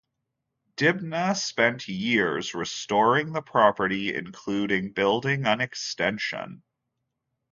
Dibnah spent years restoring the property, including building an extension.